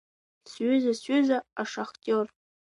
Сҩыза, сҩыза ашахтиор!